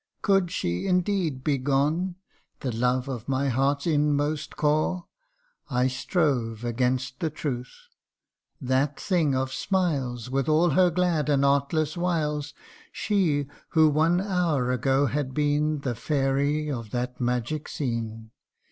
Could she indeed be gone? the love Of my heart's inmost core ! I strove Against the truth. That thing of smiles, With all her glad and artless wiles She, who one hour ago had been The fairy of that magic scene